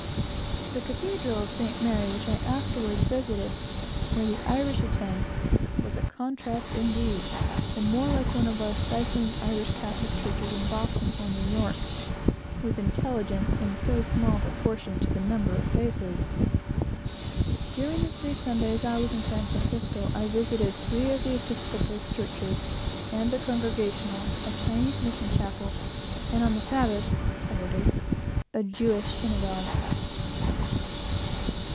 The Cathedral of St. Mary, which I afterwards visited, where the Irish attend, was a contrast indeed, and more like one of our stifling Irish Catholic churches in Boston or New York, with intelligence in so small a proportion to the number of faces. During the three Sundays I was in San Francisco, I visited three of the Episcopal churches, and the Congregational, a Chinese Mission Chapel, and on the Sabbath (Saturday) a Jewish synagogue.